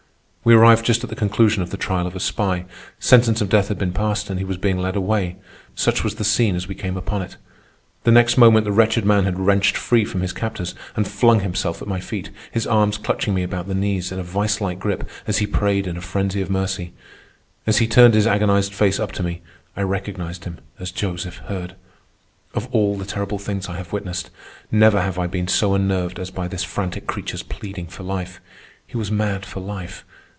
We arrived just at the conclusion of the trial of a spy. Sentence of death had been passed, and he was being led away. Such was the scene as we came upon it. The next moment the wretched man had wrenched free from his captors and flung himself at my feet, his arms clutching me about the knees in a vicelike grip as he prayed in a frenzy for mercy. As he turned his agonized face up to me, I recognized him as Joseph Hurd. Of all the terrible things I have witnessed, never have I been so unnerved as by this frantic creature's pleading for life. He was mad for life.